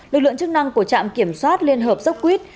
lực lượng chức năng của trạm kiểm soát liên hợp dốc quýt